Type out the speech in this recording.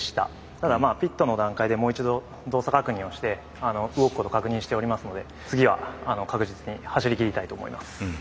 ただピットの段階でもう一度動作確認をして動くことを確認しておりますので次は確実に走りきりたいと思います。